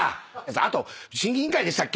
あと審議委員会でしたっけ？